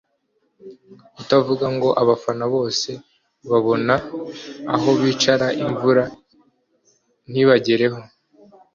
utavuga ngo abafana bose babona aho bicara imvura ntibagereho